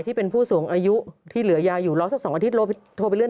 ที่เป็นผู้สูงอายุที่เหลือยาอยู่รอสัก๒อาทิตยโทรไปเลื่อน